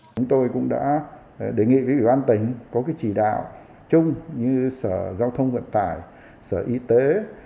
chúng tôi cũng đã đề nghị với ủy ban tỉnh có chỉ đạo chung như sở giao thông vận tải sở y tế